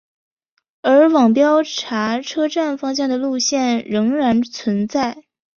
而往标茶车站方向的路线仍然存在。